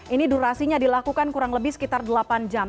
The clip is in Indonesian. ini durasinya dilakukan kurang lebih sekitar delapan jam